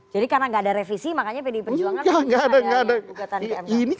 jadi karena tidak ada revisi makanya pdi perjuangan tidak ada gugatan di pmk